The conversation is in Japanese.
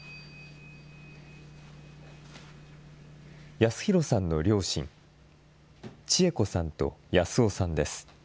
康弘さんの両親、千惠子さんと保夫さんです。